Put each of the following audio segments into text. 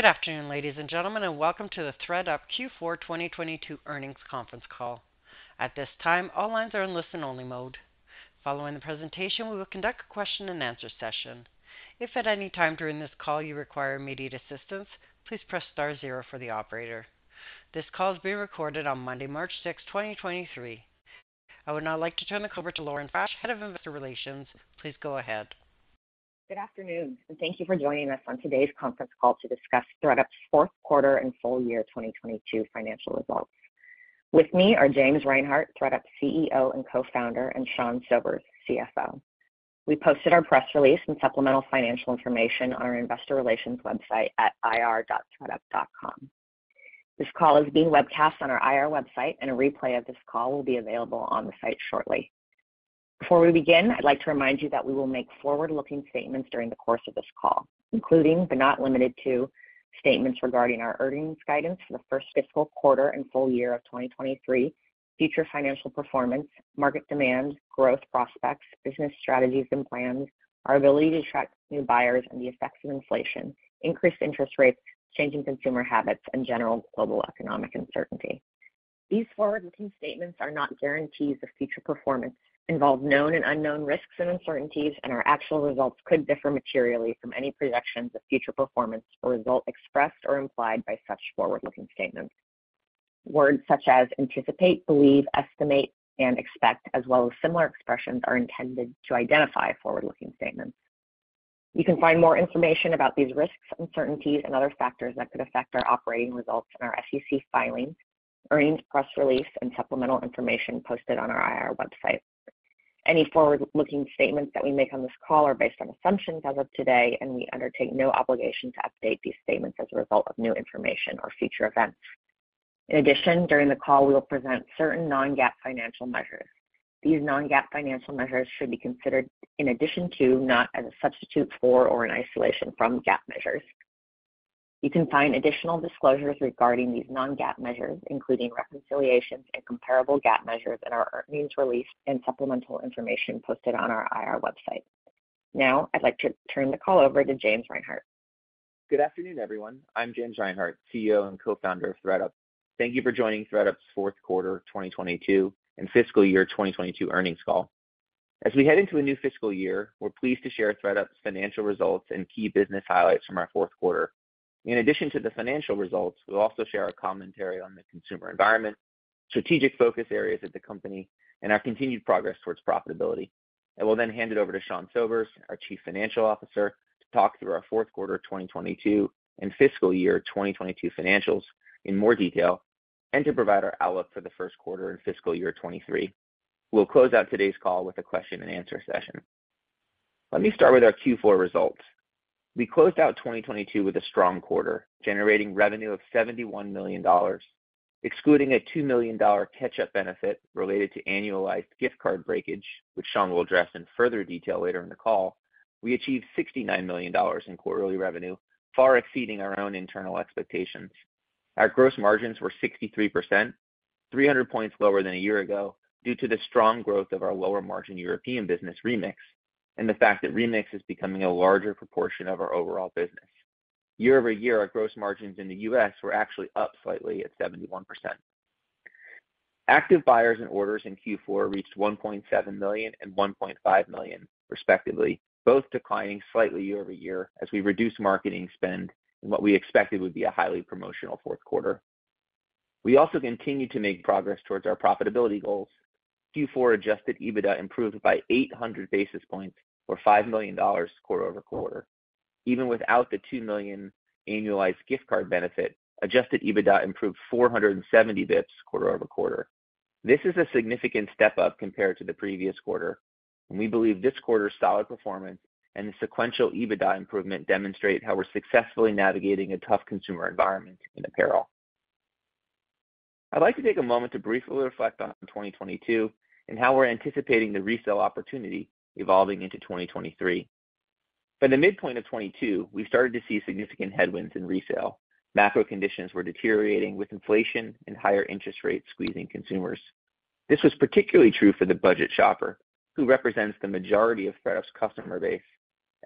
Good afternoon, ladies and gentlemen, and welcome to the ThredUp Q4 2022 earnings conference call. At this time, all lines are in listen-only mode. Following the presentation, we will conduct a question-and-answer session. If at any time during this call you require immediate assistance, please press star zero for the operator. This call is being recorded on Monday, March 6, 2023. I would now like to turn the call over to Lauren Frasch, Head of Investor Relations. Please go ahead. Good afternoon, and thank you for joining us on today's conference call to discuss ThredUp's fourth quarter and full year 2022 financial results. With me are James Reinhart, ThredUp's CEO and co-founder, and Sean Sobers, CFO. We posted our press release and supplemental financial information on our investor relations website at ir.thredup.com. This call is being webcast on our IR website, and a replay of this call will be available on the site shortly. Before we begin, I'd like to remind you that we will make forward-looking statements during the course of this call, including, but not limited to, statements regarding our earnings guidance for the first fiscal quarter and full year of 2023, future financial performance, market demand, growth prospects, business strategies and plans, our ability to attract new buyers, and the effects of inflation, increased interest rates, changing consumer habits, and general global economic uncertainty. These forward-looking statements are not guarantees of future performance, involve known and unknown risks and uncertainties. Our actual results could differ materially from any projections of future performance or result expressed or implied by such forward-looking statements. Words such as anticipate, believe, estimate, and expect, as well as similar expressions, are intended to identify forward-looking statements. You can find more information about these risks, uncertainties, and other factors that could affect our operating results in our SEC filings, earnings press release, and supplemental information posted on our IR website. Any forward-looking statements that we make on this call are based on assumptions as of today. We undertake no obligation to update these statements as a result of new information or future events. In addition, during the call, we will present certain non-GAAP financial measures. These non-GAAP financial measures should be considered in addition to, not as a substitute for or in isolation from, GAAP measures. You can find additional disclosures regarding these non-GAAP measures, including reconciliations and comparable GAAP measures, in our earnings release and supplemental information posted on our IR website. I'd like to turn the call over to James Reinhart. Good afternoon, everyone. I'm James Reinhart, CEO and co-founder of ThredUp. Thank you for joining ThredUp's fourth quarter 2022 and fiscal year 2022 earnings call. As we head into a new fiscal year, we're pleased to share ThredUp's financial results and key business highlights from our fourth quarter. In addition to the financial results, we'll also share our commentary on the consumer environment, strategic focus areas of the company, and our continued progress towards profitability. I will then hand it over to Sean Sobers, our Chief Financial Officer, to talk through our fourth quarter 2022 and fiscal year 2022 financials in more detail, and to provide our outlook for the first quarter and fiscal year 2023. We'll close out today's call with a question-and-answer session. Let me start with our Q4 results. We closed out 2022 with a strong quarter, generating revenue of $71 million. Excluding a $2 million catch-up benefit related to annualized gift card breakage, which Sean will address in further detail later in the call, we achieved $69 million in quarterly revenue, far exceeding our own internal expectations. Our gross margins were 63%, 300 points lower than a year ago, due to the strong growth of our lower-margin European business, Remix, and the fact that Remix is becoming a larger proportion of our overall business. Year-over-year, our gross margins in the US were actually up slightly at 71%. Active buyers and orders in Q4 reached 1.7 million and 1.5 million, respectively, both declining slightly year-over-year as we reduced marketing spend in what we expected would be a highly promotional fourth quarter. We also continued to make progress towards our profitability goals. Q4 adjusted EBITDA improved by 800 basis points or $5 million quarter-over-quarter. Even without the $2 million annualized gift card benefit, adjusted EBITDA improved 470 basis points quarter-over-quarter. This is a significant step up compared to the previous quarter, we believe this quarter's solid performance and the sequential EBITDA improvement demonstrate how we're successfully navigating a tough consumer environment in apparel. I'd like to take a moment to briefly reflect on 2022 and how we're anticipating the resale opportunity evolving into 2023. By the midpoint of 2022, we started to see significant headwinds in resale. Macro conditions were deteriorating, with inflation and higher interest rates squeezing consumers. This was particularly true for the budget shopper, who represents the majority of ThredUp's customer base.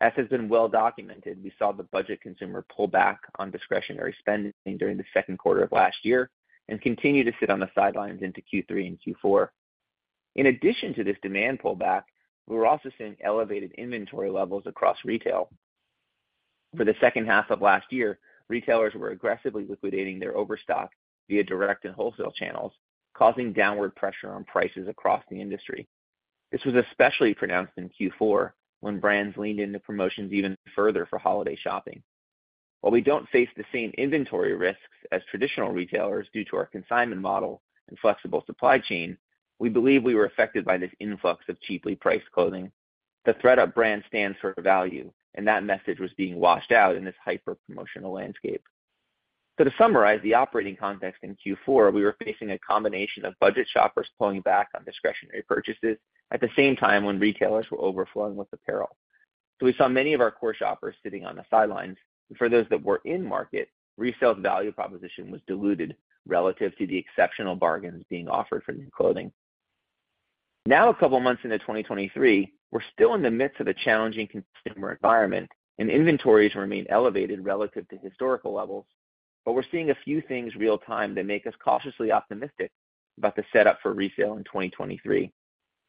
As has been well documented, we saw the budget consumer pull back on discretionary spending during the second quarter of last year and continue to sit on the sidelines into Q3 and Q4. In addition to this demand pullback, we were also seeing elevated inventory levels across retail. For the second half of last year, retailers were aggressively liquidating their overstock via direct and wholesale channels, causing downward pressure on prices across the industry. This was especially pronounced in Q4 when brands leaned into promotions even further for holiday shopping. While we don't face the same inventory risks as traditional retailers due to our consignment model and flexible supply chain, we believe we were affected by this influx of cheaply priced clothing. The ThredUp brand stands for value, and that message was being washed out in this hyper-promotional landscape. To summarize the operating context in Q4, we were facing a combination of budget shoppers pulling back on discretionary purchases at the same time when retailers were overflowing with apparel. We saw many of our core shoppers sitting on the sidelines. For those that were in market, resale's value proposition was diluted relative to the exceptional bargains being offered for new clothing. A couple months into 2023, we're still in the midst of a challenging consumer environment, and inventories remain elevated relative to historical levels. We're seeing a few things real-time that make us cautiously optimistic about the setup for resale in 2023.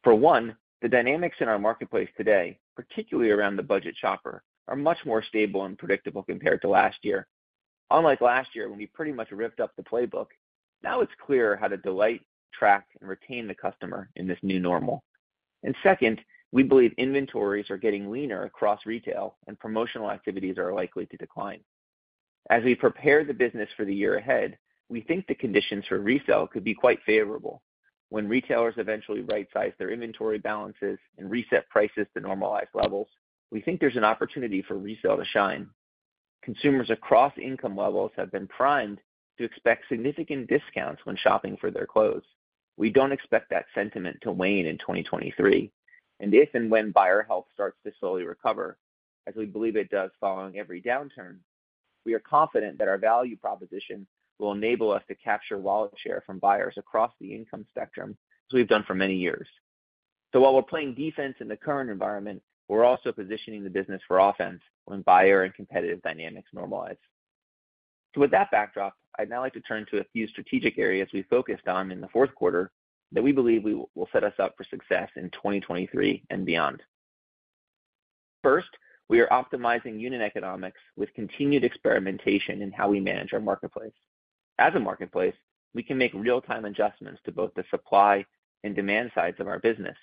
For one, the dynamics in our marketplace today, particularly around the budget shopper, are much more stable and predictable compared to last year. Unlike last year, when we pretty much ripped up the playbook, now it's clear how to delight, track, and retain the customer in this new normal. Second, we believe inventories are getting leaner across retail and promotional activities are likely to decline. As we prepare the business for the year ahead, we think the conditions for resale could be quite favorable. When retailers eventually right-size their inventory balances and reset prices to normalized levels, we think there's an opportunity for resale to shine. Consumers across income levels have been primed to expect significant discounts when shopping for their clothes. We don't expect that sentiment to wane in 2023, and if and when buyer health starts to slowly recover, as we believe it does following every downturn, we are confident that our value proposition will enable us to capture wallet share from buyers across the income spectrum as we've done for many years. While we're playing defense in the current environment, we're also positioning the business for offense when buyer and competitive dynamics normalize. With that backdrop, I'd now like to turn to a few strategic areas we focused on in the 4th quarter that we believe we will set us up for success in 2023 and beyond. First, we are optimizing unit economics with continued experimentation in how we manage our marketplace. As a marketplace, we can make real-time adjustments to both the supply and demand sides of our business.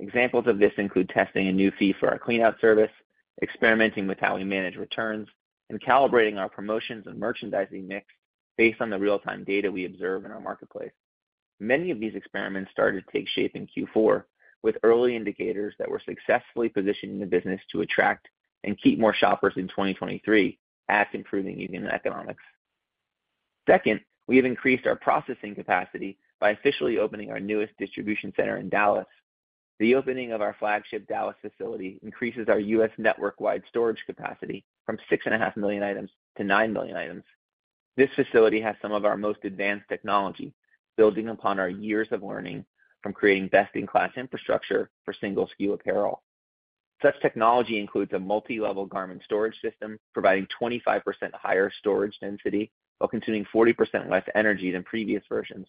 Examples of this include testing a new fee for our clean out service, experimenting with how we manage returns, and calibrating our promotions and merchandising mix based on the real-time data we observe in our marketplace. Many of these experiments started to take shape in Q4, with early indicators that we're successfully positioning the business to attract and keep more shoppers in 2023 at improving unit economics. Second, we have increased our processing capacity by officially opening our newest distribution center in Dallas. The opening of our flagship Dallas facility increases our U.S. network-wide storage capacity from 6.5 million items to 9 million items. This facility has some of our most advanced technology, building upon our years of learning from creating best-in-class infrastructure for single SKU apparel. Such technology includes a multi-level garment storage system providing 25% higher storage density while consuming 40% less energy than previous versions,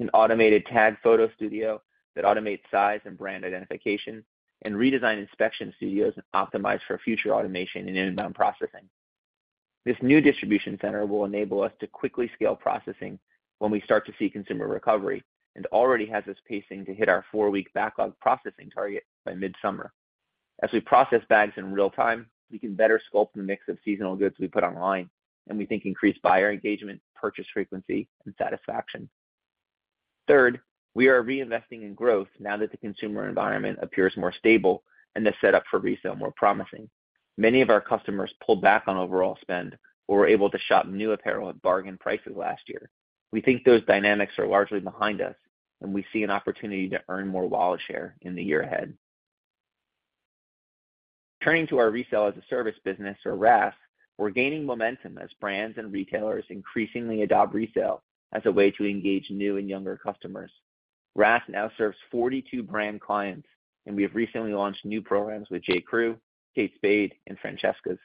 an automated tag photo studio that automates size and brand identification, and redesigned inspection studios optimized for future automation and inbound processing. This new distribution center will enable us to quickly scale processing when we start to see consumer recovery and already has us pacing to hit our four-week backlog processing target by mid-summer. As we process bags in real time, we can better sculpt the mix of seasonal goods we put online, and we think increase buyer engagement, purchase frequency, and satisfaction. Third, we are reinvesting in growth now that the consumer environment appears more stable and the setup for resale more promising. Many of our customers pulled back on overall spend, but were able to shop new apparel at bargain prices last year. We think those dynamics are largely behind us. We see an opportunity to earn more wallet share in the year ahead. Turning to our resale as a service business, or RaaS, we're gaining momentum as brands and retailers increasingly adopt resale as a way to engage new and younger customers. RaaS now serves 42 brand clients. We have recently launched new programs with J.Crew, Kate Spade, and Francesca's.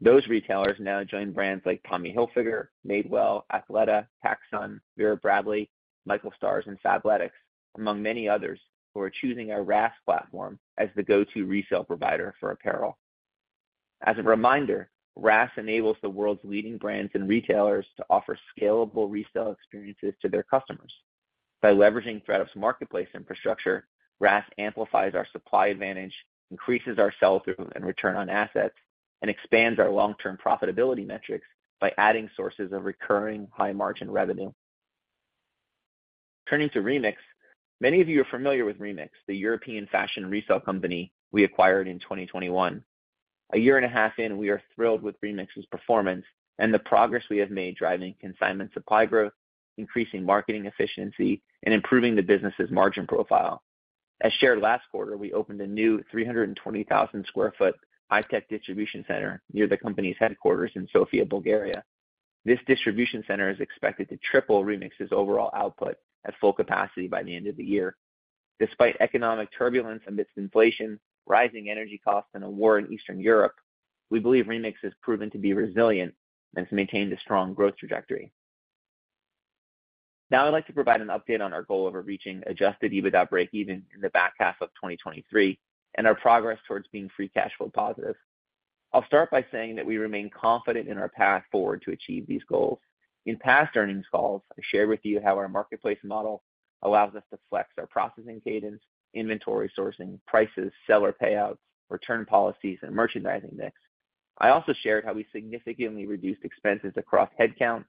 Those retailers now join brands like Tommy Hilfiger, Madewell, Athleta, PacSun, Vera Bradley, Michael Stars, and Fabletics, among many others, who are choosing our RaaS platform as the go-to resale provider for apparel. As a reminder, RaaS enables the world's leading brands and retailers to offer scalable resale experiences to their customers. By leveraging ThredUp's marketplace infrastructure, RaaS amplifies our supply advantage, increases our sell-through and return on assets, and expands our long-term profitability metrics by adding sources of recurring high margin revenue. Turning to Remix, many of you are familiar with Remix, the European fashion resale company we acquired in 2021. A year and a half in, we are thrilled with Remix's performance and the progress we have made driving consignment supply growth, increasing marketing efficiency, and improving the business's margin profile. As shared last quarter, we opened a new 320,000 sq ft high-tech distribution center near the company's headquarters in Sofia, Bulgaria. This distribution center is expected to triple Remix's overall output at full capacity by the end of the year. Despite economic turbulence amidst inflation, rising energy costs, and a war in Eastern Europe, we believe Remix has proven to be resilient and has maintained a strong growth trajectory. Now I'd like to provide an update on our goal of reaching adjusted EBITDA breakeven in the back half of 2023 and our progress towards being free cash flow positive. I'll start by saying that we remain confident in our path forward to achieve these goals. In past earnings calls, I shared with you how our marketplace model allows us to flex our processing cadence, inventory sourcing, prices, seller payouts, return policies, and merchandising mix. I also shared how we significantly reduced expenses across headcount,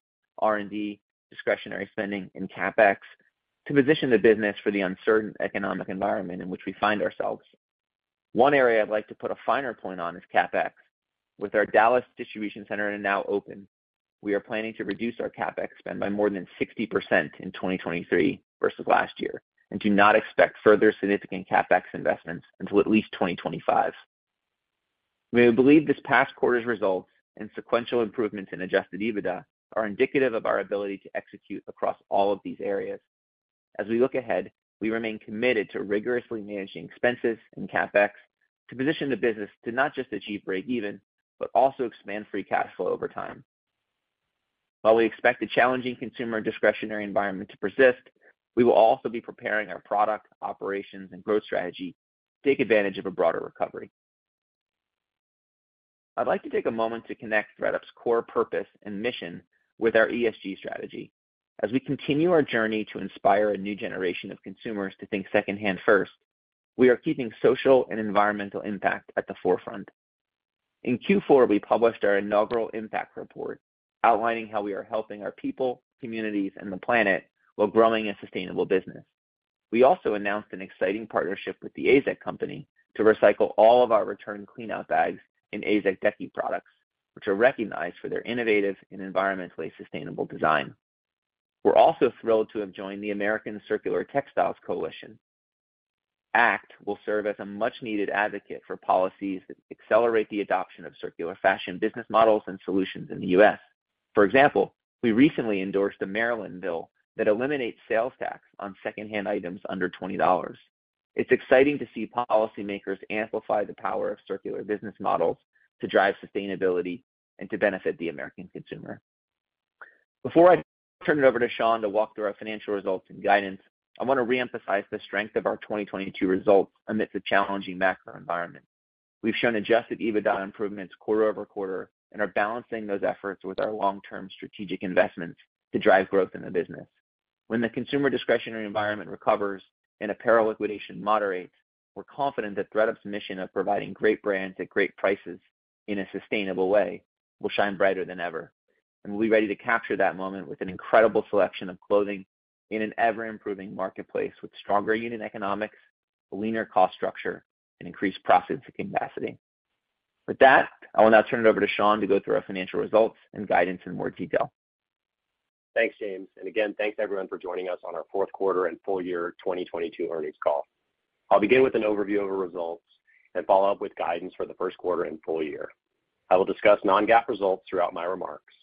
R&D, discretionary spending, and CapEx to position the business for the uncertain economic environment in which we find ourselves. One area I'd like to put a finer point on is CapEx. With our Dallas distribution center now open, we are planning to reduce our CapEx spend by more than 60% in 2023 versus last year and do not expect further significant CapEx investments until at least 2025. We believe this past quarter's results and sequential improvements in adjusted EBITDA are indicative of our ability to execute across all of these areas. As we look ahead, we remain committed to rigorously managing expenses and CapEx to position the business to not just achieve breakeven, but also expand free cash flow over time. While we expect a challenging consumer discretionary environment to persist, we will also be preparing our product, operations, and growth strategy to take advantage of a broader recovery. I'd like to take a moment to connect ThredUp's core purpose and mission with our ESG strategy. As we continue our journey to inspire a new generation of consumers to think secondhand first, we are keeping social and environmental impact at the forefront. In Q4, we published our inaugural impact report, outlining how we are helping our people, communities, and the planet while growing a sustainable business. We also announced an exciting partnership with The AZEK Company to recycle all of our return cleanout bags in AZEK Decking products, which are recognized for their innovative and environmentally sustainable design. We're also thrilled to have joined the American Circular Textiles Coalition. ACT will serve as a much-needed advocate for policies that accelerate the adoption of circular fashion business models and solutions in the U.S. For example, we recently endorsed a Maryland bill that eliminates sales tax on secondhand items under $20. It's exciting to see policymakers amplify the power of circular business models to drive sustainability and to benefit the American consumer. Before I turn it over to Sean to walk through our financial results and guidance, I want to reemphasize the strength of our 2022 results amidst a challenging macro environment. We've shown adjusted EBITDA improvements quarter-over-quarter and are balancing those efforts with our long-term strategic investments to drive growth in the business. When the consumer discretionary environment recovers and apparel liquidation moderates, we're confident that ThredUp's mission of providing great brands at great prices in a sustainable way will shine brighter than ever, and we'll be ready to capture that moment with an incredible selection of clothing in an ever-improving marketplace with stronger unit economics, a leaner cost structure, and increased profits at capacity. With that, I will now turn it over to Sean to go through our financial results and guidance in more detail. Thanks, James. Again, thanks everyone for joining us on our fourth quarter and full year 2022 earnings call. I'll begin with an overview of our results and follow up with guidance for the first quarter and full year. I will discuss non-GAAP results throughout my remarks.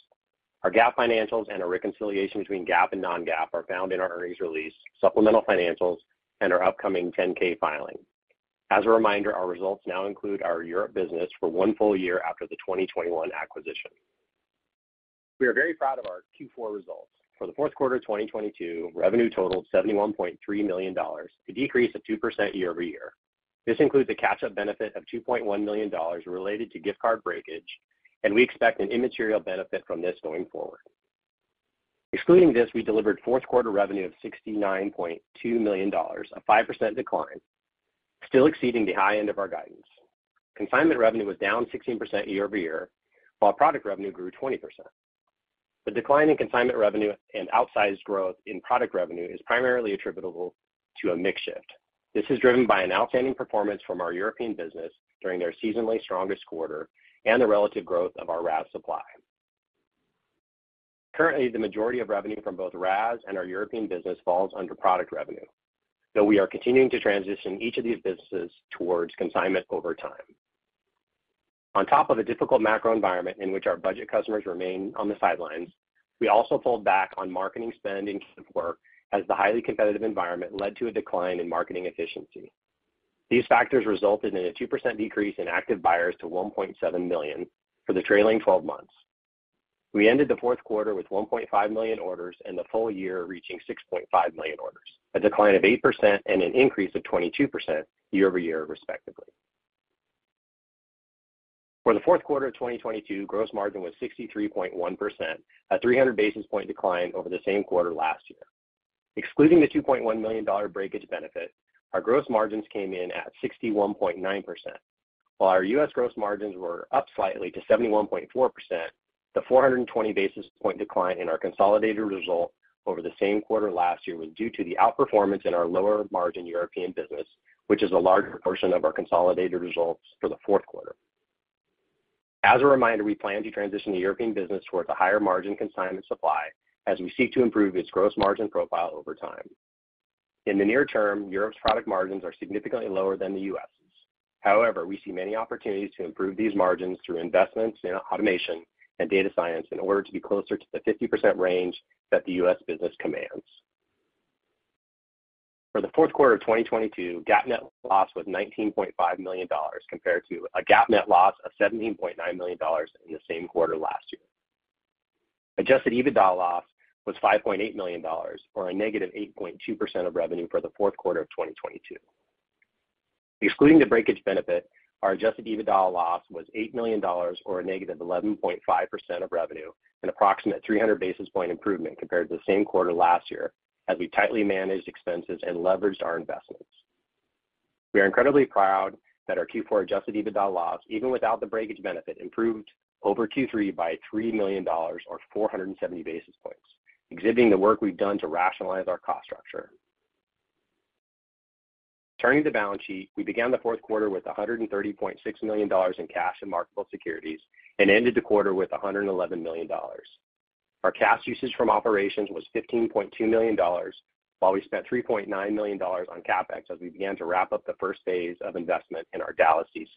Our GAAP financials and a reconciliation between GAAP and non-GAAP are found in our earnings release, supplemental financials, and our upcoming 10-K filing. As a reminder, our results now include our Europe business for one full year after the 2021 acquisition. We are very proud of our Q4 results. For the fourth quarter of 2022, revenue totaled $71.3 million, a decrease of 2% year-over-year. This includes a catch-up benefit of $2.1 million related to gift card breakage, we expect an immaterial benefit from this going forward. Excluding this, we delivered fourth quarter revenue of $69.2 million, a 5% decline, still exceeding the high end of our guidance. Consignment revenue was down 16% year-over-year, while product revenue grew 20%. The decline in consignment revenue and outsized growth in product revenue is primarily attributable to a mix shift. This is driven by an outstanding performance from our European business during their seasonally strongest quarter and the relative growth of our RaaS supply. Currently, the majority of revenue from both RaaS and our European business falls under product revenue, though we are continuing to transition each of these businesses towards consignment over time. On top of a difficult macro environment in which our budget customers remain on the sidelines, we also pulled back on marketing spend and coursework as the highly competitive environment led to a decline in marketing efficiency. These factors resulted in a 2% decrease in active buyers to 1.7 million for the trailing twelve months. We ended the fourth quarter with 1.5 million orders and the full year reaching 6.5 million orders, a decline of 8% and an increase of 22% year-over-year, respectively. For the fourth quarter of 2022, gross margin was 63.1%, a 300 basis point decline over the same quarter last year. Excluding the $2.1 million breakage benefit, our gross margins came in at 61.9%. While our US gross margins were up slightly to 71.4%, the 420 basis point decline in our consolidated result over the same quarter last year was due to the outperformance in our lower margin European business, which is a larger portion of our consolidated results for the fourth quarter. As a reminder, we plan to transition the European business towards a higher margin consignment supply as we seek to improve its gross margin profile over time. In the near term, Europe's product margins are significantly lower than the US'. However, we see many opportunities to improve these margins through investments in automation and data science in order to be closer to the 50% range that the US business commands. For the fourth quarter of 2022, GAAP net loss was $19.5 million compared to a GAAP net loss of $17.9 million in the same quarter last year. Adjusted EBITDA loss was $5.8 million or a negative 8.2% of revenue for the fourth quarter of 2022. Excluding the breakage benefit, our adjusted EBITDA loss was $8 million or a negative 11.5% of revenue, an approximate 300 basis point improvement compared to the same quarter last year, as we tightly managed expenses and leveraged our investments. We are incredibly proud that our Q4 adjusted EBITDA loss, even without the breakage benefit, improved over Q3 by $3 million or 470 basis points, exhibiting the work we've done to rationalize our cost structure. Turning to the balance sheet, we began the fourth quarter with $130.6 million in cash and marketable securities and ended the quarter with $111 million. Our cash usage from operations was $15.2 million, while we spent $3.9 million on CapEx as we began to wrap up the first phase of investment in our Dallas DC.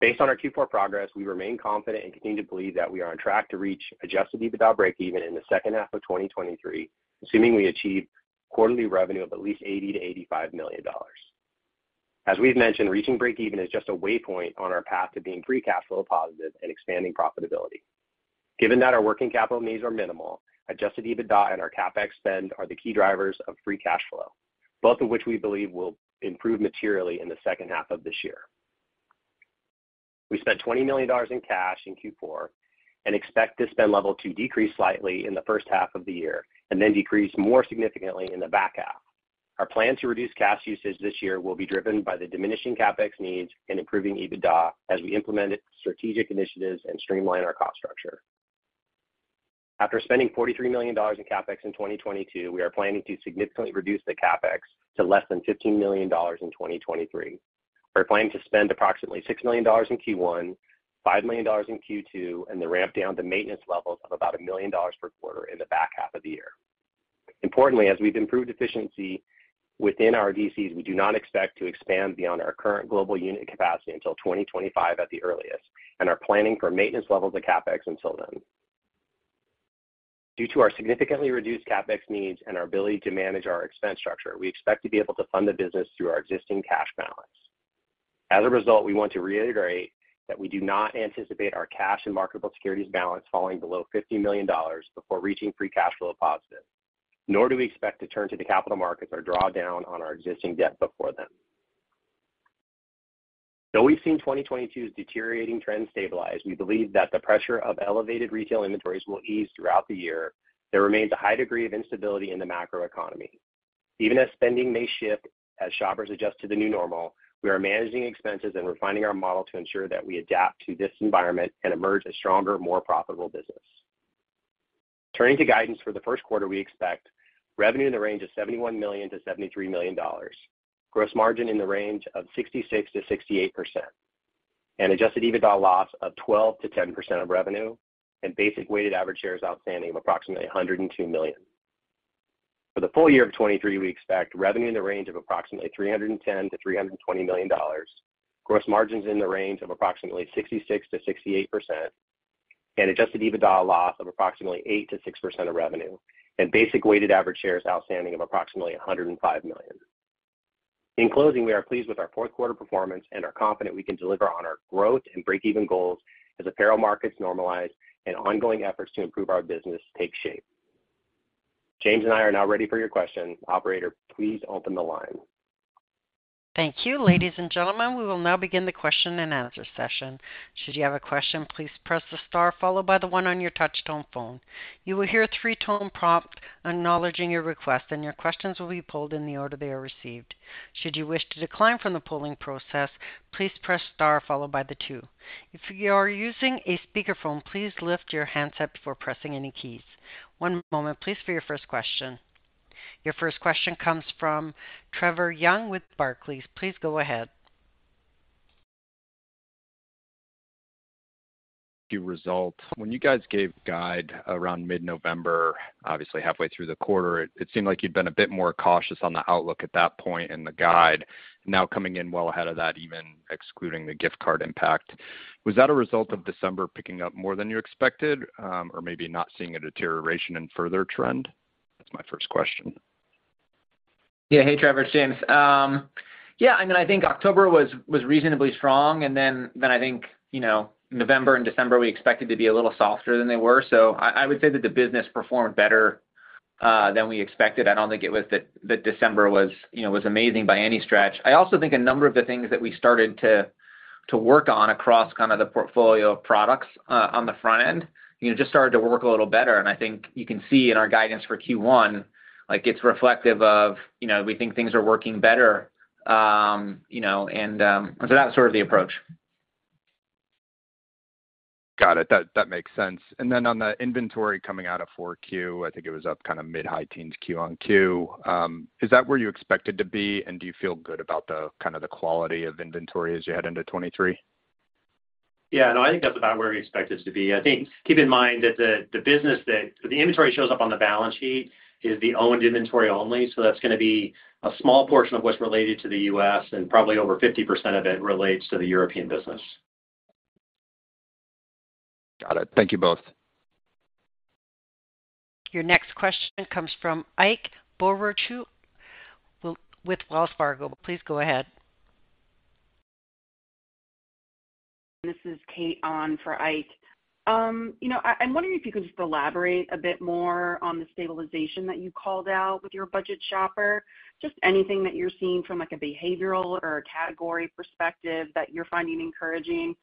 Based on our Q4 progress, we remain confident and continue to believe that we are on track to reach adjusted EBITDA breakeven in the second half of 2023, assuming we achieve quarterly revenue of at least $80 million-$85 million. As we've mentioned, reaching breakeven is just a way point on our path to being free cash flow positive and expanding profitability. Given that our working capital needs are minimal, adjusted EBITDA and our CapEx spend are the key drivers of free cash flow, both of which we believe will improve materially in the second half of this year. We spent $20 million in cash in Q4 and expect this spend level to decrease slightly in the first half of the year and then decrease more significantly in the back half. Our plan to reduce cash usage this year will be driven by the diminishing CapEx needs and improving EBITDA as we implement strategic initiatives and streamline our cost structure. After spending $43 million in CapEx in 2022, we are planning to significantly reduce the CapEx to less than $15 million in 2023. We're planning to spend approximately $6 million in Q1, $5 million in Q2, and then ramp down to maintenance levels of about $1 million per quarter in the back half of the year. Importantly, as we've improved efficiency within our DCs, we do not expect to expand beyond our current global unit capacity until 2025 at the earliest and are planning for maintenance levels of CapEx until then. Due to our significantly reduced CapEx needs and our ability to manage our expense structure, we expect to be able to fund the business through our existing cash balance. As a result, we want to reiterate that we do not anticipate our cash and marketable securities balance falling below $50 million before reaching free cash flow positive, nor do we expect to turn to the capital markets or draw down on our existing debt before then. Though we've seen 2022's deteriorating trends stabilize, we believe that the pressure of elevated retail inventories will ease throughout the year. There remains a high degree of instability in the macro economy. Even as spending may shift as shoppers adjust to the new normal, we are managing expenses and refining our model to ensure that we adapt to this environment and emerge a stronger, more profitable business. Turning to guidance for the first quarter, we expect revenue in the range of $71 million-$73 million, gross margin in the range of 66%-68%, and adjusted EBITDA loss of 12%-10% of revenue, and basic weighted average shares outstanding of approximately 102 million. For the full year of 2023, we expect revenue in the range of approximately $310 million-$320 million, gross margins in the range of approximately 66%-68%, and adjusted EBITDA loss of approximately 8%-6% of revenue, and basic weighted average shares outstanding of approximately 105 million. In closing, we are pleased with our fourth quarter performance and are confident we can deliver on our growth and breakeven goals as apparel markets normalize and ongoing efforts to improve our business take shape. James and I are now ready for your questions. Operator, please open the line. Thank you. Ladies and gentlemen, we will now begin the question and answer session. Should you have a question, please press the star followed by the 1 on your touch tone phone. You will hear a three-tone prompt acknowledging your request, and your questions will be pulled in the order they are received. Should you wish to decline from the polling process, please press star followed by the 2. If you are using a speakerphone, please lift your handset before pressing any keys. 1 moment please for your first question. Your first question comes from Trevor Young with Barclays. Please go ahead. When you guys gave guide around mid-November, obviously halfway through the quarter, it seemed like you'd been a bit more cautious on the outlook at that point in the guide. Now coming in well ahead of that, even excluding the gift card impact. Was that a result of December picking up more than you expected or maybe not seeing a deterioration in further trend? That's my first question. Yeah. Hey, Trevor, it's James. Yeah, I mean, I think October was reasonably strong. I think, you know, November and December, we expected to be a little softer than they were. I would say that the business performed better than we expected. I don't think it was that December was, you know, was amazing by any stretch. I also think a number of the things that we started to work on across kind of the portfolio of products on the front end, you know, just started to work a little better. I think you can see in our guidance for Q1, like, it's reflective of, you know, we think things are working better, you know. That's sort of the approach. Got it. That makes sense. On the inventory coming out of Q4, I think it was up kind of mid-high teens Q on Q. Is that where you expected to be and do you feel good about the kind of the quality of inventory as you head into 2023? Yeah. No, I think that's about where we expect it to be. I think keep in mind that the inventory shows up on the balance sheet is the owned inventory only, so that's gonna be a small portion of what's related to the U.S., and probably over 50% of it relates to the European business. Got it. Thank you both. Your next question comes from Ike Boruchow with Wells Fargo. Please go ahead. This is Kate on for Ike. you know, I'm wondering if you could just elaborate a bit more on the stabilization that you called out with your budget shopper. Just anything that you're seeing from, like, a behavioral or a category perspective that you're finding encouraging?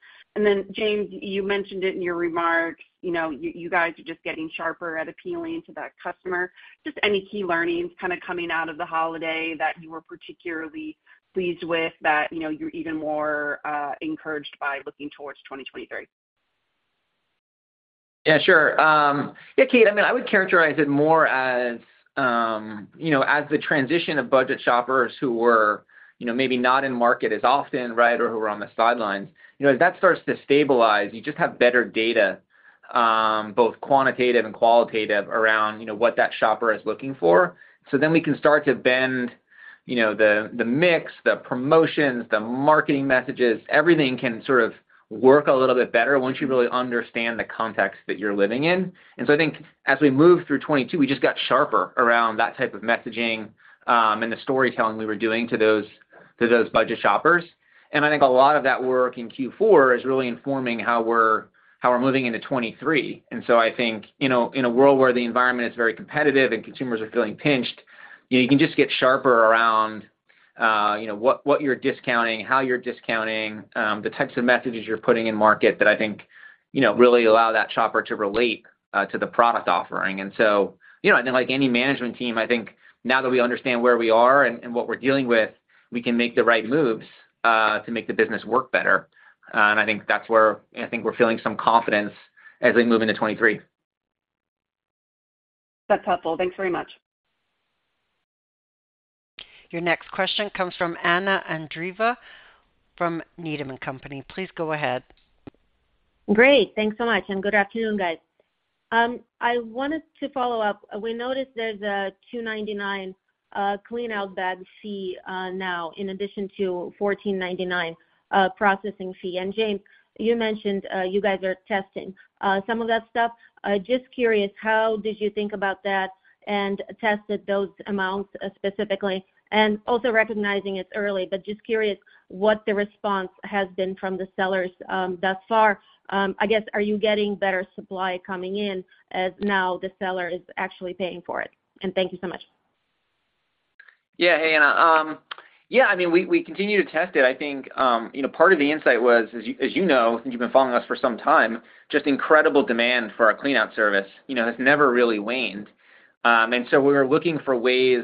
James, you mentioned it in your remarks, you know, you guys are just getting sharper at appealing to that customer. Just any key learnings kind of coming out of the holiday that you were particularly pleased with that, you know, you're even more encouraged by looking towards 2023? Yeah, sure. Yeah, Kate, I mean, I would characterize it more as, you know, as the transition of budget shoppers who were, you know, maybe not in market as often, right, or who are on the sidelines. You know, as that starts to stabilize, you just have better data, both quantitative and qualitative around, you know, what that shopper is looking for. We can start to bend, you know, the mix, the promotions, the marketing messages. Everything can sort of work a little bit better once you really understand the context that you're living in. I think as we move through 22, we just got sharper around that type of messaging, and the storytelling we were doing to those, to those budget shoppers. I think a lot of that work in Q4 is really informing how we're moving into 2023. I think, you know, in a world where the environment is very competitive and consumers are feeling pinched, you know, you can just get sharper around, you know, what you're discounting, how you're discounting, the types of messages you're putting in market that I think, you know, really allow that shopper to relate to the product offering. You know, and like any management team, I think now that we understand where we are and what we're dealing with, we can make the right moves to make the business work better. I think that's where we're feeling some confidence as we move into 2023. That's helpful. Thanks very much. Your next question comes from Anna Andreeva from Needham & Company. Please go ahead. Great. Thanks so much, and good afternoon, guys. I wanted to follow up. We noticed there's a $2.99 clean out bag fee, now in addition to a $14.99 processing fee. James, you mentioned, you guys are testing some of that stuff. Just curious, how did you think about that and tested those amounts, specifically? Also recognizing it's early, but just curious what the response has been from the sellers, thus far. I guess, are you getting better supply coming in as now the seller is actually paying for it? Thank you so much. Hey, Anna. I mean, we continue to test it. I think, you know, part of the insight was, as you know, and you've been following us for some time, just incredible demand for our clean out service, you know, has never really waned. We were looking for ways,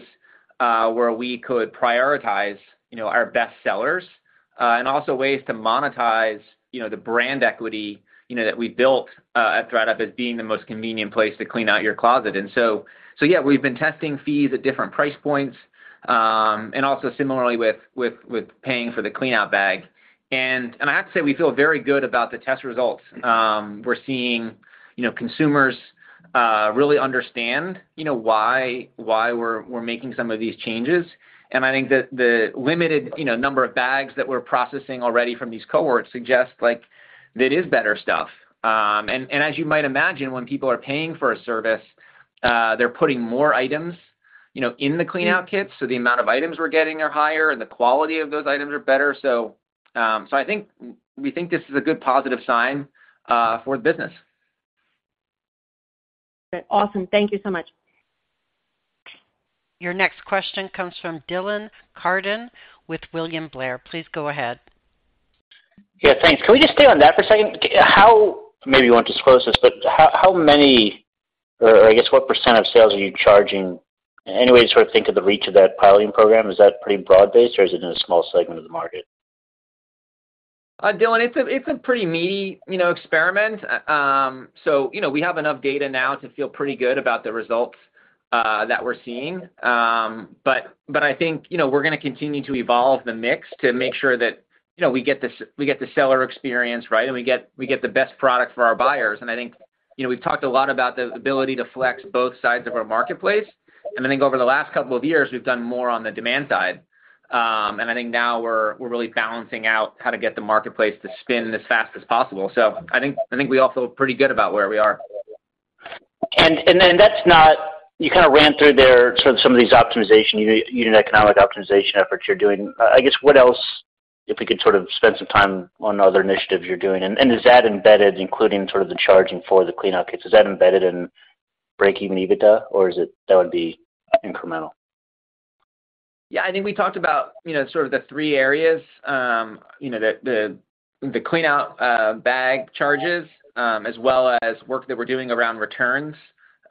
where we could prioritize, you know, our best sellers, and also ways to monetize, you know, the brand equity, you know, that we built, at ThredUp as being the most convenient place to clean out your closet. Yeah, we've been testing fees at different price points, and also similarly with paying for the clean out bag. I have to say, we feel very good about the test results. We're seeing consumers really understand why we're making some of these changes. I think that the limited number of bags that we're processing already from these cohorts suggest that it is better stuff. As you might imagine, when people are paying for a service, they're putting more items in the clean out kits, so the amount of items we're getting are higher, and the quality of those items are better. I think we think this is a good positive sign for the business. Okay, awesome. Thank you so much. Your next question comes from Dylan Carden with William Blair. Please go ahead. Yeah, thanks. Can we just stay on that for a second? Maybe you won't disclose this, but how many or I guess, what % of sales are you charging? Any way to sort of think of the reach of that piloting program, is that pretty broad-based, or is it in a small segment of the market? Dylan, it's a, it's a pretty meaty, you know, experiment. You know, we have enough data now to feel pretty good about the results that we're seeing. I think, you know, we're gonna continue to evolve the mix to make sure that, you know, we get the seller experience, right, and we get the best product for our buyers. I think, you know, we've talked a lot about the ability to flex both sides of our marketplace. I think over the last couple of years, we've done more on the demand side. I think now we're really balancing out how to get the marketplace to spin as fast as possible. I think we all feel pretty good about where we are. You kind of ran through there sort of some of these optimization, unit economic optimization efforts you're doing. I guess, what else, if we could sort of spend some time on other initiatives you're doing, and is that embedded, including sort of the charging for the clean out kits, is that embedded in break-even EBITDA, or is it that would be incremental? Yeah. I think we talked about, you know, sort of the three areas. You know, the clean out bag charges, as well as work that we're doing around returns.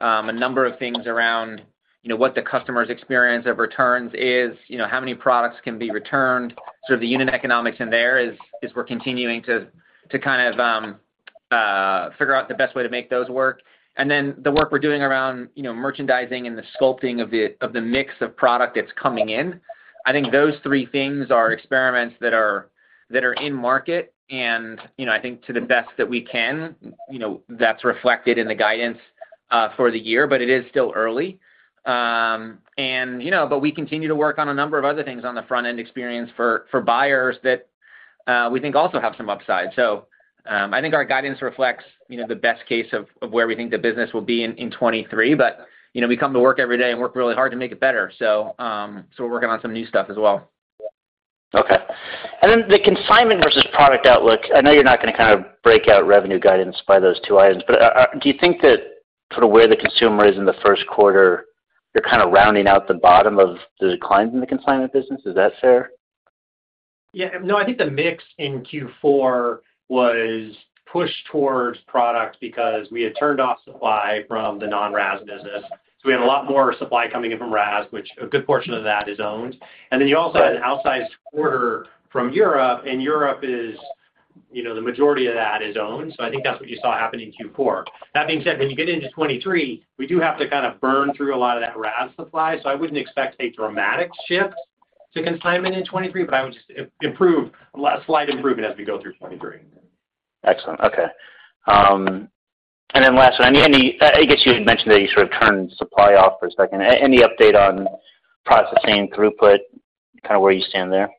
A number of things around, you know, what the customer's experience of returns is, you know, how many products can be returned, sort of the unit economics in there as we're continuing to kind of figure out the best way to make those work. Then the work we're doing around, you know, merchandising and the sculpting of the mix of product that's coming in. I think those three things are experiments that are in market. You know, I think to the best that we can, you know, that's reflected in the guidance for the year, but it is still early. You know, but we continue to work on a number of other things on the front-end experience for buyers that, we think also have some upside. I think our guidance reflects, you know, the best case of where we think the business will be in 23. You know, we come to work every day and work really hard to make it better. We're working on some new stuff as well. Okay. Then the consignment versus product outlook, I know you're not gonna kind of break out revenue guidance by those two items. But do you think that sort of where the consumer is in the first quarter, they're kind of rounding out the bottom of the declines in the consignment business? Is that fair? Yeah. No, I think the mix in Q4 was pushed towards product because we had turned off supply from the non-RAS business. We had a lot more supply coming in from RAS, which a good portion of that is owned. You also had an outsized quarter from Europe, and Europe is, you know, the majority of that is owned, so I think that's what you saw happen in Q4. When you get into 23, we do have to kind of burn through a lot of that RAS supply, so I wouldn't expect a dramatic shift to consignment in 23, but I would just improve a slight improvement as we go through 23. Excellent. Okay. Then last one. I guess you had mentioned that you sort of turned supply off for a second. Any update on processing throughput, kind of where you stand there?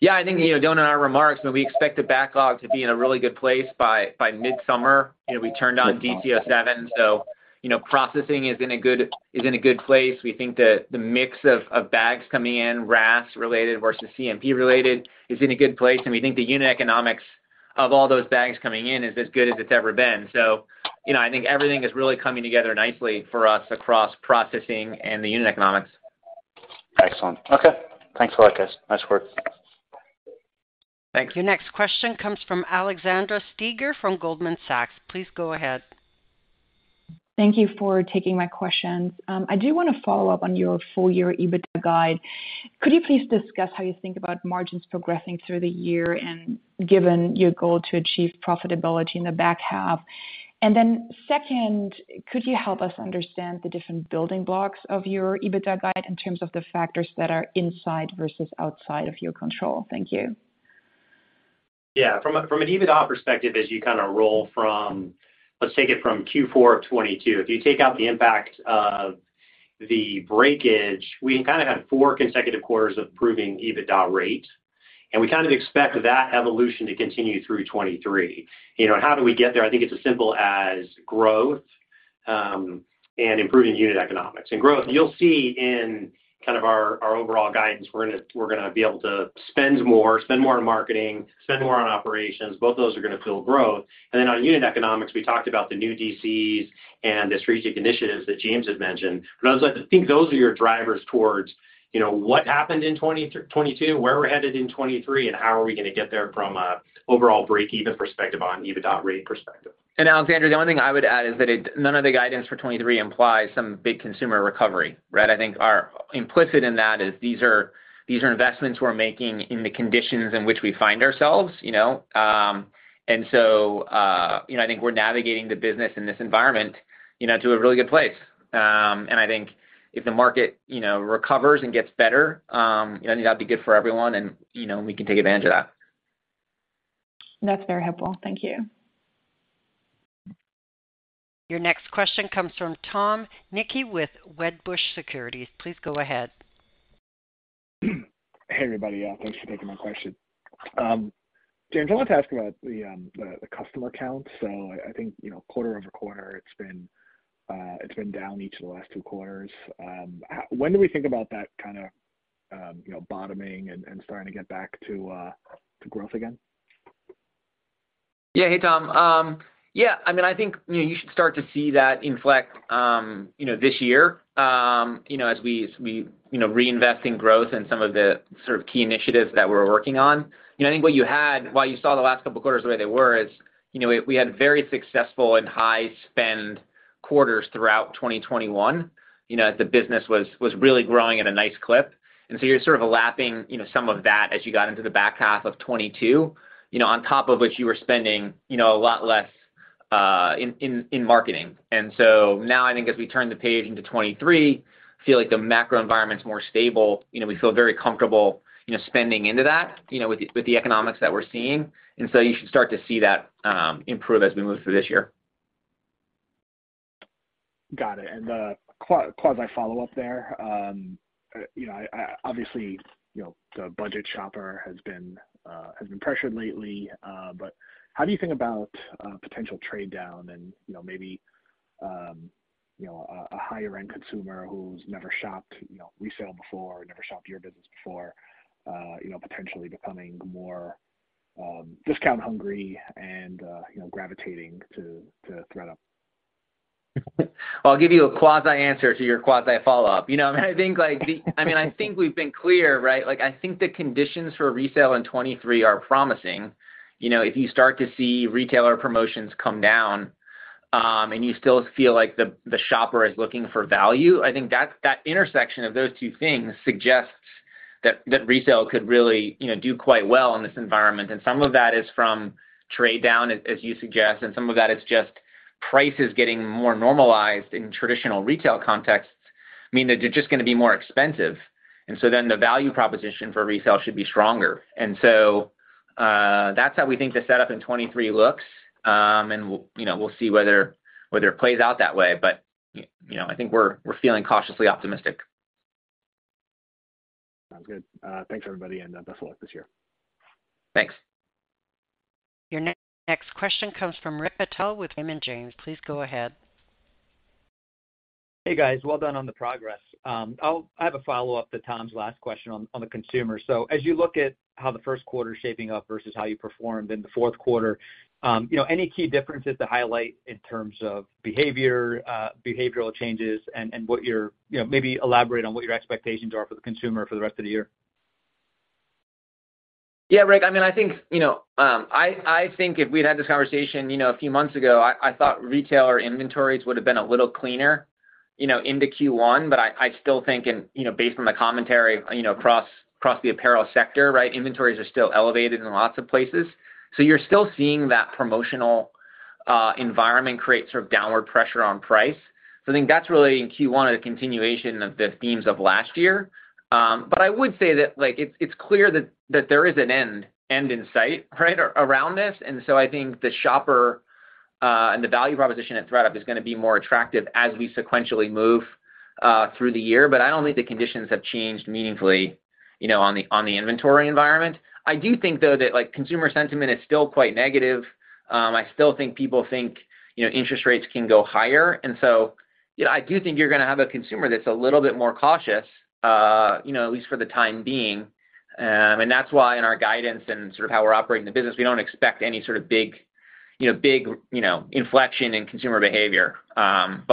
Yeah, I think, you know, Dylan, in our remarks, I mean, we expect the backlog to be in a really good place by mid-summer. You know, we turned on DCO7, so you know, processing is in a good place. We think the mix of bags coming in, RAS related versus CMP related, is in a good place. We think the unit economics of all those bags coming in is as good as it's ever been. You know, I think everything is really coming together nicely for us across processing and the unit economics. Excellent. Okay. Thanks a lot, guys. Nice work. Thank you. Your next question comes from Alexandra Steiger from Goldman Sachs. Please go ahead. Thank you for taking my questions. I do wanna follow up on your full year EBITDA guide. Could you please discuss how you think about margins progressing through the year and given your goal to achieve profitability in the back half? Then second, could you help us understand the different building blocks of your EBITDA guide in terms of the factors that are inside versus outside of your control? Thank you. Yeah. From an EBITDA perspective, as you kind of roll from, let's take it from Q4 of 2022. If you take out the impact of the breakage, we kind of had four consecutive quarters of improving EBITDA rate. We kind of expect that evolution to continue through 2023. You know, how do we get there? I think it's as simple as growth and improving unit economics. Growth, you'll see in kind of our overall guidance, we're going to be able to spend more, spend more on marketing, spend more on operations. Both those are going to fuel growth. Then on unit economics, we talked about the new DCs and the strategic initiatives that James had mentioned. I was like, I think those are your drivers towards, you know, what happened in 2022, where we're headed in 2023, and how are we gonna get there from a overall breakeven perspective on EBITDA rate perspective. Alexandra, the only thing I would add is that none of the guidance for 23 implies some big consumer recovery, right? I think our implicit in that is these are investments we're making in the conditions in which we find ourselves, you know. You know, I think we're navigating the business in this environment, you know, to a really good place. I think if the market, you know, recovers and gets better, you know, I think that'd be good for everyone and, you know, we can take advantage of that. That's very helpful. Thank you. Your next question comes from Tom Nikic with Wedbush Securities. Please go ahead. Hey, everybody. Yeah, thanks for taking my question. James, I wanted to ask about the customer count. I think, you know, quarter-over-quarter, it's been down each of the last two quarters. When do we think about that kinda, you know, bottoming and starting to get back to growth again? Yeah. Hey, Tom. Yeah, I mean, I think, you know, you should start to see that inflect, you know, this year, you know, as we reinvest in growth and some of the sort of key initiatives that we're working on. You know, I think what you had while you saw the last couple of quarters the way they were is, you know, we had very successful and high spend quarters throughout 2021. You know, the business was really growing at a nice clip. You're sort of lapping, you know, some of that as you got into the back half of 2022. You know, on top of which you were spending, you know, a lot less in marketing. Now I think as we turn the page into 23, feel like the macro environment's more stable. You know, we feel very comfortable, you know, spending into that, you know, with the, with the economics that we're seeing. You should start to see that improve as we move through this year. Got it. Follow-up there, you know, I obviously, you know, the budget shopper has been pressured lately, but how do you think about potential trade down and, you know, maybe, you know, a higher end consumer who's never shopped, you know, resale before, never shopped your business before, you know, potentially becoming more, discount hungry and, you know, gravitating to ThredUp? Well, I'll give you a quasi answer to your quasi follow-up. You know what I mean? I think, like, I mean, I think we've been clear, right? I think the conditions for resale in 23 are promising. You know, if you start to see retailer promotions come down, and you still feel like the shopper is looking for value, I think that's, that intersection of those two things suggests that resale could really, you know, do quite well in this environment. Some of that is from trade down, as you suggest, and some of that is just prices getting more normalized in traditional retail contexts mean that they're just gonna be more expensive. The value proposition for resale should be stronger. That's how we think the setup in 23 looks. We'll, you know, we'll see whether it plays out that way. You know, I think we're feeling cautiously optimistic. Sounds good. thanks everybody, best of luck this year. Thanks. Your next question comes from Rick Patel with Raymond James. Please go ahead. Hey, guys. Well done on the progress. I have a follow-up to Tom's last question on the consumer. As you look at how the first quarter is shaping up versus how you performed in the fourth quarter, you know, any key differences to highlight in terms of behavior, behavioral changes and, you know, maybe elaborate on what your expectations are for the consumer for the rest of the year. Yeah, Rick. I mean, I think, you know, I think if we'd had this conversation, you know, a few months ago, I thought retailer inventories would have been a little cleaner. You know, into Q1, I still think, you know, based on the commentary, you know, across the apparel sector, right? Inventories are still elevated in lots of places. You're still seeing that promotional environment create sort of downward pressure on price. I think that's really, in Q1, a continuation of the themes of last year. I would say that, like, it's clear that there is an end in sight, right, around this. I think the shopper and the value proposition at ThredUp is gonna be more attractive as we sequentially move through the year. I don't think the conditions have changed meaningfully, you know, on the, on the inventory environment. I do think, though, that, like, consumer sentiment is still quite negative. I still think people think, you know, interest rates can go higher. You know, I do think you're gonna have a consumer that's a little bit more cautious, you know, at least for the time being. That's why in our guidance and sort of how we're operating the business, we don't expect any sort of big, you know, inflection in consumer behavior.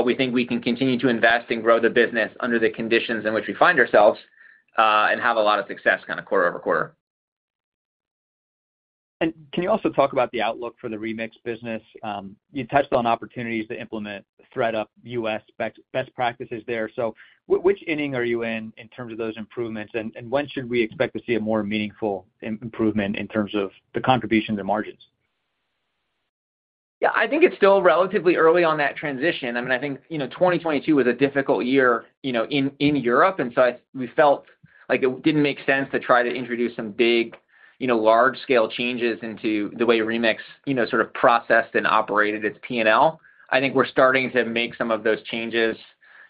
We think we can continue to invest and grow the business under the conditions in which we find ourselves, and have a lot of success kind of quarter-over-quarter. Can you also talk about the outlook for the Remix business? You touched on opportunities to implement ThredUp U.S. best practices there. Which inning are you in in terms of those improvements, and when should we expect to see a more meaningful improvement in terms of the contribution to margins? Yeah. I think it's still relatively early on that transition. I mean, I think, you know, 2022 was a difficult year, you know, in Europe. We felt like it didn't make sense to try to introduce some big, you know, large scale changes into the way Remix, you know, sort of processed and operated its P&L. I think we're starting to make some of those changes,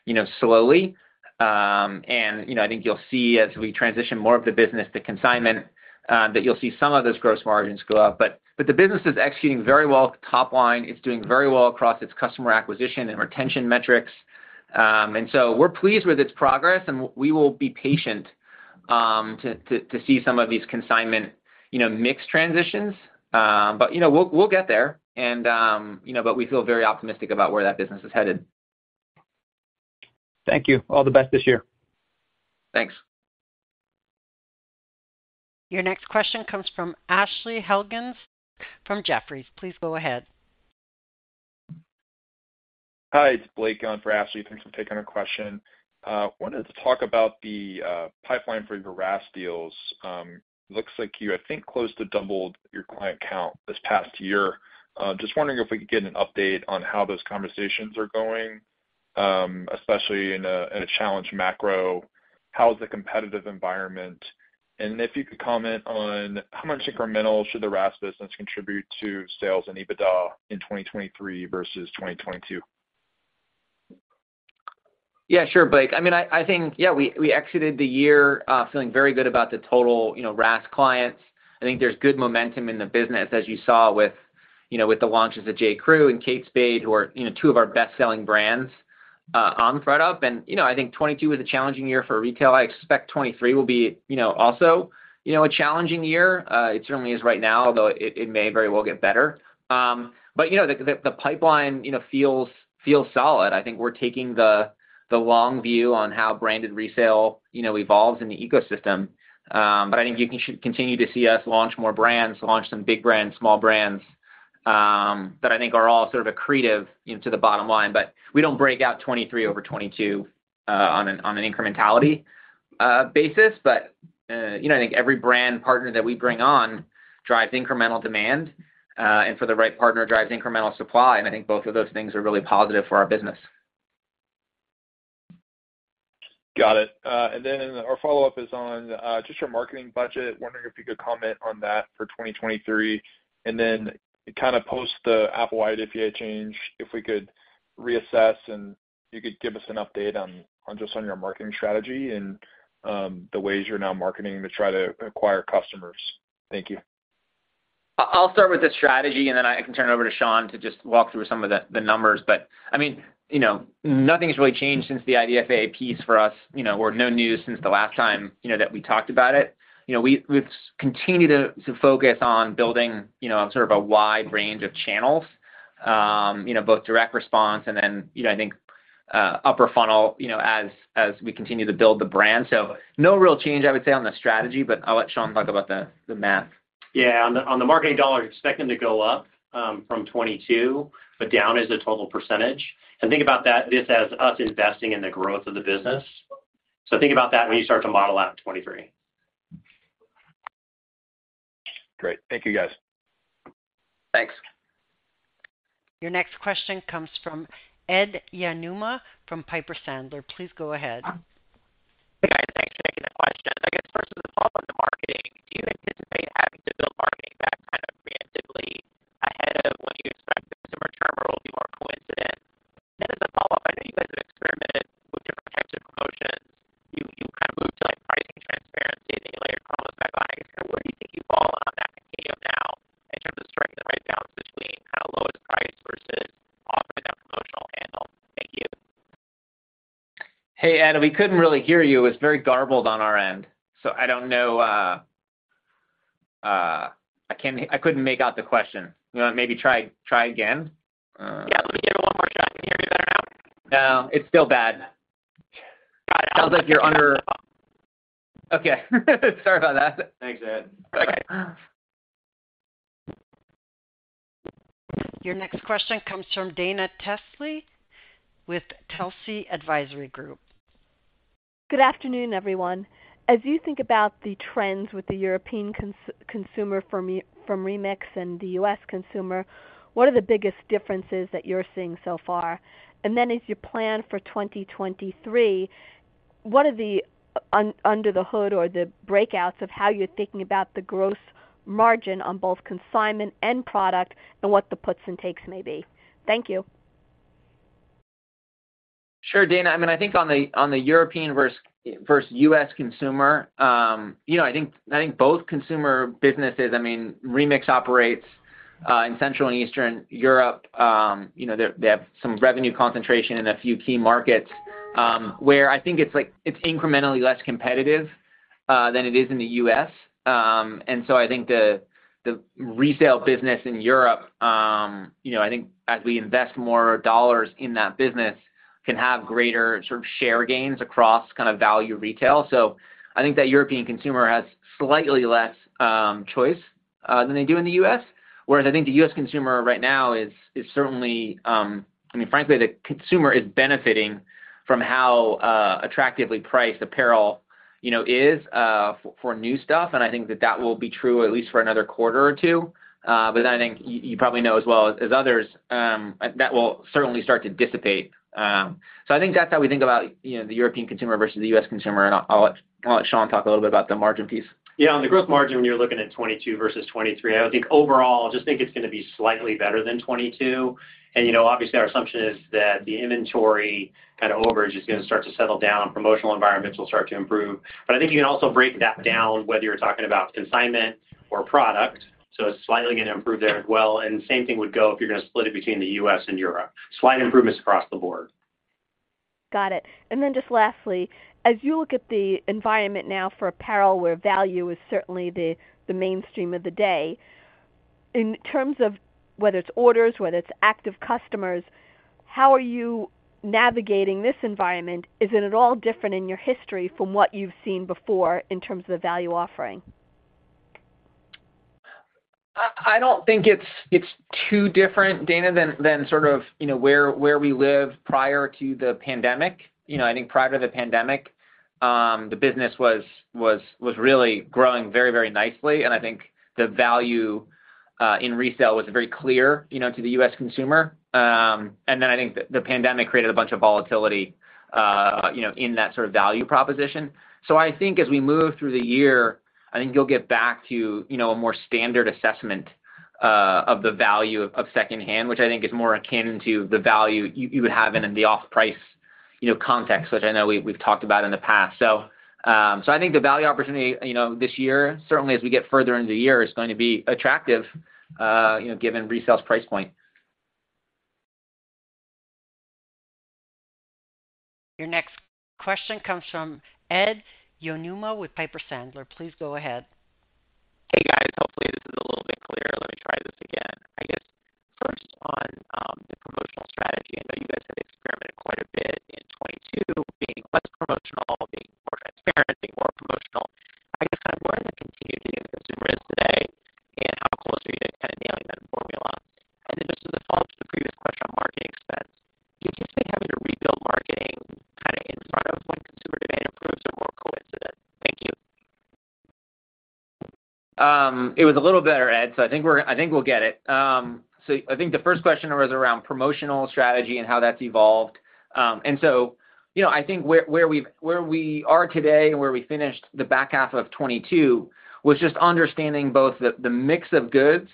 you know, slowly. You know, I think you'll see as we transition more of the business to consignment, that you'll see some of those gross margins go up. But the business is executing very well with the top line. It's doing very well across its customer acquisition and retention metrics. We're pleased with its progress, and we will be patient to see some of these consignment, you know, mix transitions. You know, we'll get there and, you know, but we feel very optimistic about where that business is headed. Thank you. All the best this year. Thanks. Your next question comes from Ashley Helgans from Jefferies. Please go ahead. Hi, it's Blake on for Ashley. Thanks for taking our question. Wanted to talk about the pipeline for your RaaS deals. Looks like you, I think, close to doubled your client count this past year. Just wondering if we could get an update on how those conversations are going, especially in a, in a challenged macro. How's the competitive environment? If you could comment on how much incremental should the RaaS business contribute to sales and EBITDA in 2023 versus 2022. Yeah, sure, Blake. I mean, I think, yeah, we exited the year, feeling very good about the total, you know, RaaS clients. I think there's good momentum in the business, as you saw with, you know, with the launches of J.Crew and Kate Spade, who are, you know, two of our best-selling brands, on ThredUp. You know, I think 2022 was a challenging year for retail. I expect 2023 will be, you know, also, you know, a challenging year. It certainly is right now, although it may very well get better. You know, the pipeline, you know, feels solid. I think we're taking the long view on how branded resale, you know, evolves in the ecosystem. I think you can continue to see us launch more brands, launch some big brands, small brands, that I think are all sort of accretive, you know, to the bottom line. We don't break out '23 over '22 on an incrementality basis. You know, I think every brand partner that we bring on drives incremental demand, and for the right partner, drives incremental supply, and I think both of those things are really positive for our business. Got it. Our follow-up is on just your marketing budget. Wondering if you could comment on that for 2023. Kinda post the Apple IDFA change, if we could reassess and you could give us an update on just on your marketing strategy and the ways you're now marketing to try to acquire customers. Thank you. I'll start with the strategy, and then I can turn it over to Sean to just walk through some of the numbers. I mean, you know, nothing's really changed since the IDFA piece for us. You know, we're no news since the last time, you know, that we talked about it. You know, we've continued to focus on building, you know, sort of a wide range of channels, you know, both direct response and then, you know, I think, upper funnel, you know, as we continue to build the brand. No real change, I would say, on the strategy, but I'll let Sean talk about the math. Yeah. On the marketing dollar, expecting to go up from 2022, but down as a total %. Think about that, this as us investing in the growth of the business. Think about that when you start to model out 2023. Great. Thank you, guys. Thanks. Your next question comes from Ed Yruma from Piper Sandler. Please go ahead. Hey, guys. Thanks for taking the questions. I guess first as a follow-up to marketing. Do you anticipate having to build marketing back kind of preemptively ahead of when you expect the consumer churn will be more coincident? As a follow-up, I know you guys have experimented with different types of promotions. You kind of moved to, like, pricing transparency, then you layered promos back on. I guess, kinda where do you think you fall on that continuum now in terms of striking the right balance between kinda lowest price versus offering that promotional handle? Thank you. Hey, Ed. We couldn't really hear you. It was very garbled on our end. I don't know. I couldn't make out the question. You wanna maybe try again? Yeah, let me give it one more shot. Can you hear me better now? No, it's still bad. Got it. Sounds like you're under... Okay. Sorry about that. Thanks, Ed. Okay. Your next question comes from Dana Telsey with Telsey Advisory Group. Good afternoon, everyone. As you think about the trends with the European consumer from Remix and the U.S. consumer, what are the biggest differences that you're seeing so far? As you plan for 2023, what are the under the hood or the breakouts of how you're thinking about the growth margin on both consignment and product and what the puts and takes may be? Thank you. Sure, Dana. I mean, I think on the European versus U.S. consumer, you know, I think both consumer businesses, I mean, Remix operates, in Central and Eastern Europe. You know, they have some revenue concentration in a few key markets, where I think it's, like, it's incrementally less competitive, than it is in the U.S. I think the resale business in Europe, you know, I think as we invest more $ in that business can have greater sort of share gains across kind of value retail. I think that European consumer has slightly less, choice, than they do in the U.S. Whereas I think the U.S. consumer right now is certainly, I mean, frankly, the consumer is benefiting from how attractively priced apparel, you know, is for new stuff, and I think that that will be true at least for another quarter or two. I think you probably know as well as others, that will certainly start to dissipate. I think that's how we think about, you know, the European consumer versus the U.S. consumer, and I'll let Sean talk a little bit about the margin piece. Yeah. On the gross margin, when you're looking at 2022 versus 2023, I would think overall, I just think it's gonna be slightly better than 2022. You know, obviously, our assumption is that the inventory kind of overage is gonna start to settle down, promotional environments will start to improve. I think you can also break that down, whether you're talking about consignment or product, so it's slightly gonna improve there as well. Same thing would go if you're gonna split it between the U.S. and Europe. Slight improvements across the board. Got it. Just lastly, as you look at the environment now for apparel where value is certainly the mainstream of the day, in terms of whether it's orders, whether it's active customers, how are you navigating this environment? Is it at all different in your history from what you've seen before in terms of the value offering? I don't think it's too different, Dana, than sort of, you know, where we lived prior to the pandemic. You know, I think prior to the pandemic, the business was really growing very, very nicely, and I think the value in resale was very clear, you know, to the U.S. consumer. Then I think the pandemic created a bunch of volatility, you know, in that sort of value proposition. I think as we move through the year, I think you'll get back to, you know, a more standard assessment of the value of secondhand, which I think is more akin to the value you would have in the off-price, you know, context, which I know we've talked about in the past. I think the value opportunity, you know, this year, certainly as we get further into the year, is going to be attractive, you know, given resale's price point. Your next question comes from Ed It was a little better, Ed, so I think we're, I think we'll get it. I think the first question was around promotional strategy and how that's evolved. You know, I think where we are today and where we finished the back half of 2022 was just understanding both the mix of goods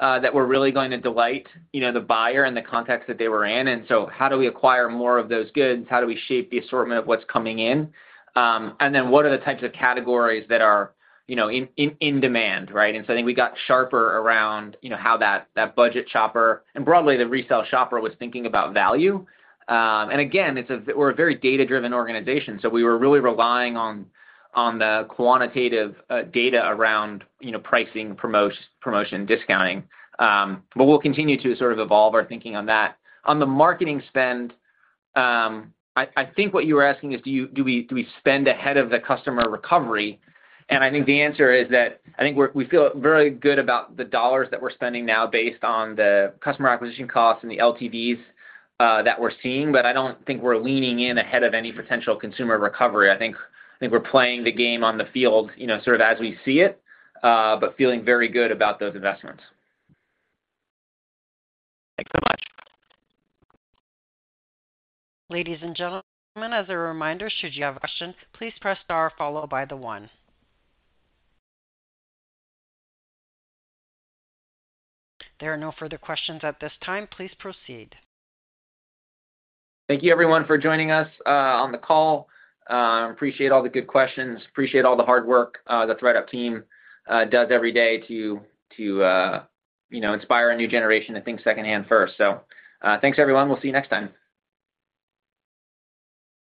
that were really going to delight, you know, the buyer and the context that they were in. How do we acquire more of those goods? How do we shape the assortment of what's coming in? What are the types of categories that are, you know, in demand, right? I think we got sharper around, you know, how that budget shopper, and broadly the resale shopper, was thinking about value. Again, it's we're a very data-driven organization, so we were really relying on the quantitative data around, you know, pricing, promotion, and discounting. We'll continue to sort of evolve our thinking on that. On the marketing spend, I think what you were asking is do we spend ahead of the customer recovery? I think the answer is that we feel very good about the dollars that we're spending now based on the customer acquisition costs and the LTVs that we're seeing. I don't think we're leaning in ahead of any potential consumer recovery. I think we're playing the game on the field, you know, sort of as we see it, but feeling very good about those investments. Thanks so much. Ladies and gentlemen, as a reminder, should you have questions, please press star followed by the one. There are no further questions at this time. Please proceed. Thank you, everyone, for joining us on the call. Appreciate all the good questions. Appreciate all the hard work the ThredUp team does every day to, you know, inspire a new generation to think secondhand first. Thanks, everyone. We'll see you next time.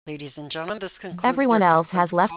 Ladies and gentlemen, this concludes-.